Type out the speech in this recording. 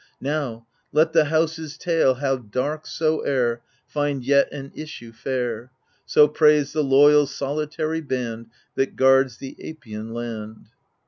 Now, let the house's tale, how dark soe'er. Find yet an issue fair !— So prays the loyal, solitary band That guards the Apian land.